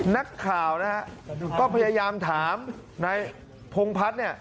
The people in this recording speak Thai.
นักข่าวก็พยายามถามในพงพัฒน์